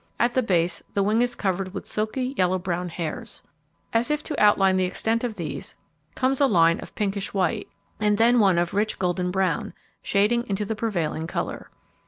At the base, the wing is covered with silky yellow brown hairs. As if to outline the extent of these, comes a line of pinkish white, and then one of rich golden brown, shading into the prevailing colour.